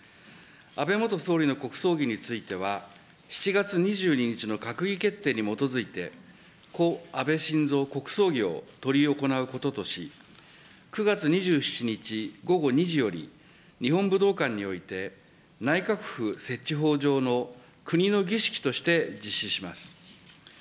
安倍元総理の国葬儀については、７月２２日の閣議決定に基づいて、故・安倍晋三国葬儀を執り行うこととし、９月２７日午後２時より、日本武道館において、内閣府設置法上の国の儀式として実施します。